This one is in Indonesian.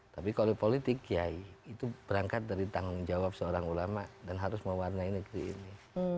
tapi kalau politik kiai itu berangkat dari tanggung jawab seorang ulama dan harus mewarnai negeri ini